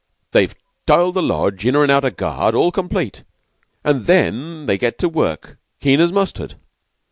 They've tiled the lodge, inner and outer guard, all complete, and then they get to work, keen as mustard."